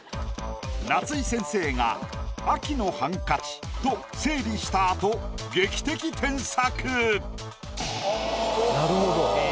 夏井先生が「秋のハンカチ」と整理したあと劇的添削。